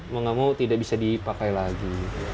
mau gak mau tidak bisa dipakai lagi